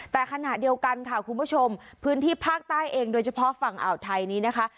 แต่ขณะเดียวกันค่ะคุณผู้ชมพื้นที่ภาคใต้เองโดยเฉพาะฝั่งอ่าวไทยนี้นะคะ